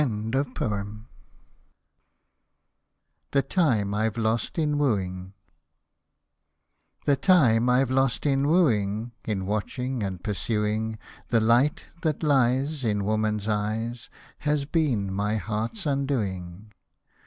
" Hosted by Google 34 IRISH MELODIES THE TIME rVE LOST IN WOOING The time I've lost in wooing, In watching and pursuing The Hght, that lies In woman's eyes, Has been my heart's undoing.